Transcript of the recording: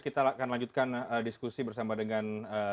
kita akan lanjutkan diskusi bersama dengan